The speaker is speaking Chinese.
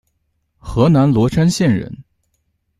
河南罗山县人。